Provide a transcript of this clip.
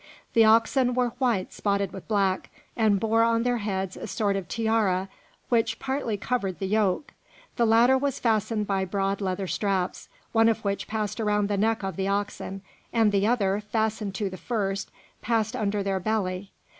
The oxen were white spotted with black, and bore on their heads a sort of tiara which partly covered the yoke; the latter was fastened by broad leather straps, one of which passed around the neck of the oxen, and the other, fastened to the first, passed under their belly.